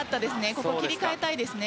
ここ、切り替えたいですね。